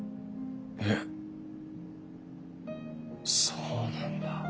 そうなんだ。